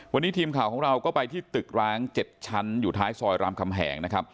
วันนี้ทีมข่าวของเราก็ไปที่ตึกร้าง๗ชั้นอยู่ท้ายซอยรามคำแหงนะครับ